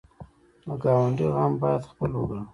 د ګاونډي غم باید خپل وګڼو